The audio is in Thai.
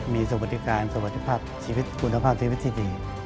มีสวัสดิการสวัสดิภาพชีวิตคุณภาพชีวิตที่ดี